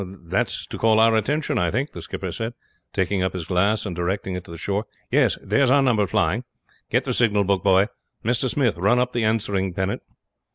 "That's to call our attention, I think," the skipper said, taking up his glass and directing it to the shore. "Yes, there is our number flying. Get the signal book, boy. Mr. Smith, run up the answering pennant."